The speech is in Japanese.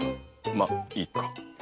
まっいいか。